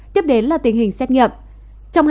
tiếp đến là tình hình xét nghiệm